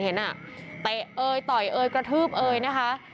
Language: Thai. เตะเอยต่อยเอยกระทืบเอยนะคะ